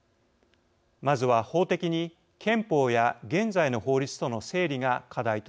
まずは法的に憲法や現在の法律との整理が課題となります。